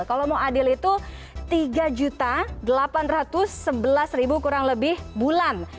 kalau mau adil itu rp tiga delapan ratus sebelas kurang lebih bulan